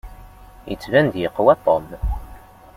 Yettban-d yeqwa Tom.